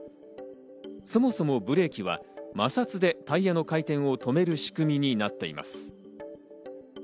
そもそもブレーキは摩擦でタイヤの回転を止める仕組みになっています。